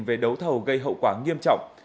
về đấu thầu gây hậu quả nghiêm trọng